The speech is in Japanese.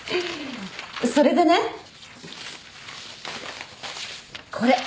それでねこれ。